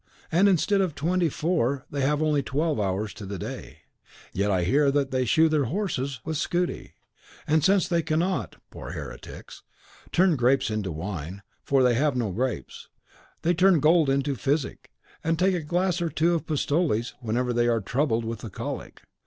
and instead of twenty four they have only twelve hours to the day, yet I hear that they shoe their horses with scudi; and since they cannot (the poor heretics!) turn grapes into wine, for they have no grapes, they turn gold into physic, and take a glass or two of pistoles whenever they are troubled with the colic.